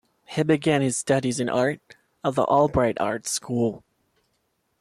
He began his studies in art at the Albright Art School.